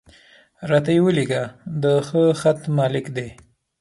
را ته یې ولیکه، د ښه خط مالک دی.